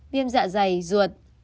viêm dạ dày ruột